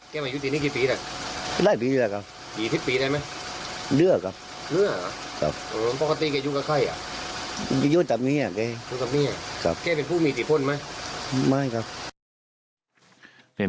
แกเป็นผู้มีสิทธิพลไหมไม่ครับ